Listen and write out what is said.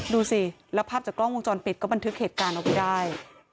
ดูสิแล้วภาพจากกล้องวงจรปิดก็บันทึกเหตุการณ์เอาไว้ได้